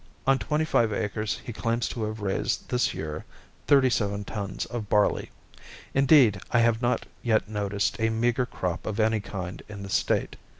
On twenty five acres he claims to have raised this year thirty seven tons of barley. Indeed, I have not yet noticed a meager crop of any kind in the State.